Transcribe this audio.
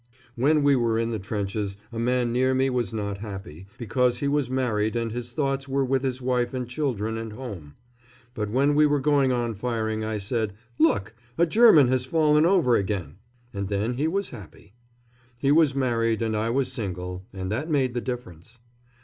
When we were in the trenches a man near me was not happy, because he was married and his thoughts were with his wife and children and home; but when we were going on firing I said, "Look! A German has fallen over again!" And then he was happy. He was married and I was single, and that made the difference.